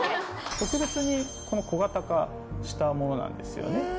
特別に小型化したものなんですよね。